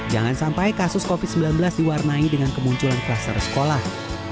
jangan sampai kasus covid sembilan belas diwarnai dengan kemunculan kluster sekolah